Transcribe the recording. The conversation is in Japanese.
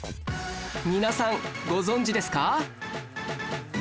皆さんご存じですか？